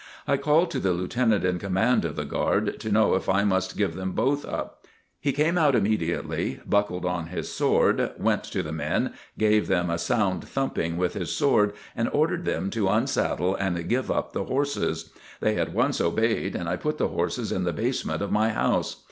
I called to the Lieutenant in command of the guard, to know if I must give them both up. He came out immediately, buckled on his sword, went to the men, gave them a sound thumping with his sword and ordered them to unsaddle and give up the horses. They at once obeyed and I put the horses in the basement of my house.